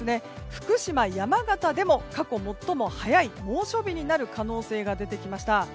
福島、山形でも過去最も早い猛暑日になる可能性が出てきました。